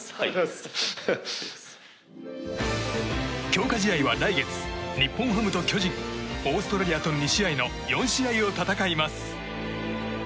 強化試合は来月、日本ハムと巨人オーストラリアと２試合の４試合を戦います。